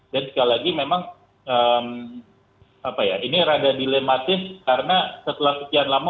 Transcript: dan sekali lagi memang apa ya ini rada dilematis karena setelah sekian lama